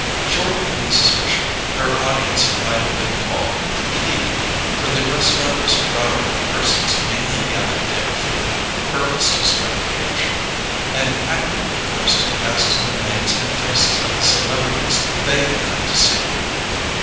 Short of Mrs. Fisher her audience might have been called complete; for the restaurant was crowded with persons mainly gathered there for the purpose of spectatorship, and accurately posted as to the names and faces of the celebrities they had come to see.